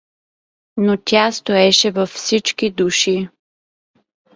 Но тя стоеше във всичките души.